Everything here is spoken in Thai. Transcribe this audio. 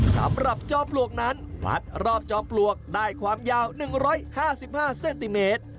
สำหรับจอมปลวกนั้นมัดรอบจอมปลวกได้ความยาว๑๕๕เซนติเมตร